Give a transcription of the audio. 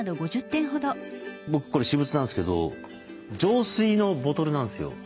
僕これ私物なんですけど浄水のボトルなんですよ。